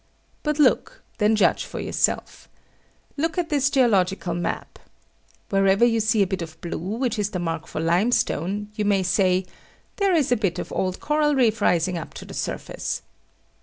But look: then judge for yourself. Look at this geological map. Wherever you see a bit of blue, which is the mark for limestone, you may say, "There is a bit of old coral reef rising up to the surface."